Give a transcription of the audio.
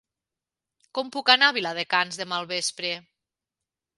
Com puc anar a Viladecans demà al vespre?